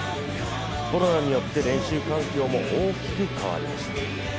コロナによって練習環境も大きく変わりました。